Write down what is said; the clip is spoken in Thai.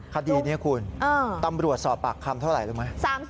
คดีนี้คุณตำรวจสอบปากคำเท่าไหร่รู้ไหม